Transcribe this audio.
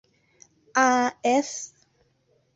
อาร์เอส